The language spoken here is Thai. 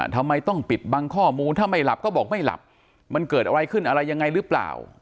ทำไมต้องปิดบังข้อมูลถ้าไม่หลับก็บอกไม่หลับมันเกิดอะไรขึ้นอะไรยังไงหรือเปล่า